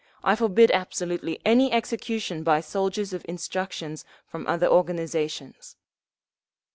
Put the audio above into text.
I forbid absolutely any execution by soldiers of instructions from other organisations….